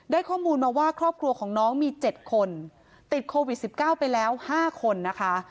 ได้ข้อมูลมาว่าครอบครัวของน้องมีเจ็ดคนติดโควิดสิบเก้าไปแล้วห้าคนนะคะ